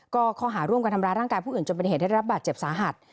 ก็คอหาร่วมกับดำราตรร่างกายผู้อื่นจนเป็นเหตุที่ได้รับบัตรเจ็บสะหัส